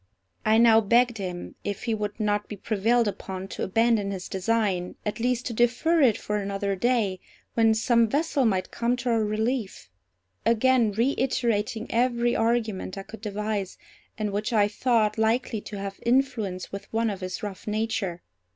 I now begged him, if he would not be prevailed upon to abandon his design, at least to defer it for another day, when some vessel might come to our relief; again reiterating every argument I could devise, and which I thought likely to have influence with one of his rough nature.